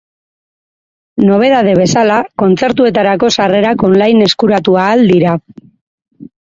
Nobedade bezala, kontzertuetarako sarrerak online eskuratu ahal dira.